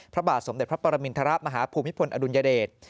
พระบาทสมเด็จพระปรมินทรมาฮภูมิพลอดุลยเดช